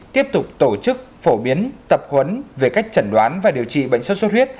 tiếp tục tổ chức phổ biến tập huấn về cách chẩn đoán và điều trị bệnh xuất xuất huyết